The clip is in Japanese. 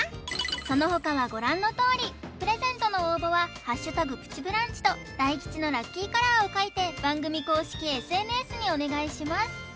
そのほかはご覧のとおりプレゼントの応募は「＃プチブランチ」と大吉のラッキーカラーを書いて番組公式ＳＮＳにお願いします